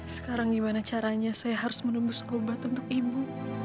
sekarang gimana caranya saya harus menembus obat untuk ibu